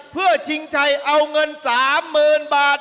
เพื่อชิงชัยเอาเงิน๓๐๐๐บาท